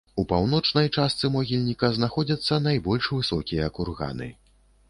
У паўночнай частцы могільніка знаходзяцца найбольш высокія курганы.